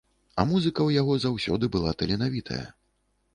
А музыка ў яго заўсёды была таленавітая.